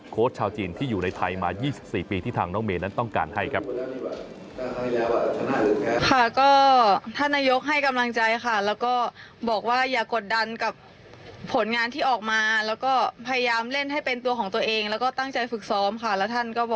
ชาวจีนที่อยู่ในไทยมา๒๔ปีที่ทางน้องเมย์นั้นต้องการให้ครับ